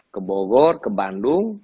ke bogor ke bandung